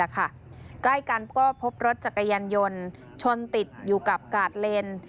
ใกล้กันก็พบรถจักรยานยนต์ชนติดอยู่กับกาดเลน